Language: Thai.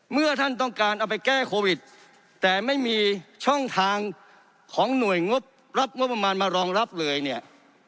เมื่อท่านต้องการเอาไปแก้โควิดแต่ไม่มีช่องทางของหน่วยงบรับงบประมาณมารองรับเลยเนี่ย